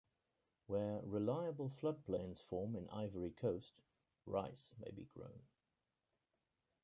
Where reliable floodplains form in Ivory Coast, rice may be grown.